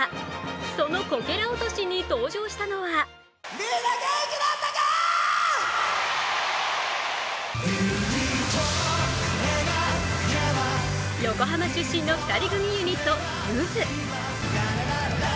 そのこけら落としに登場したのは横浜出身の２人組ユニット・ゆず。